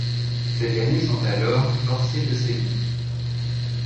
Ces derniers sont alors forcés de céder.